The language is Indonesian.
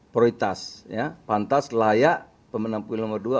prioritas ya pantas layak pemenang pemilu nomor dua